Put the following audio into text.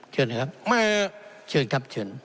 ท่านประธานที่ขอรับครับ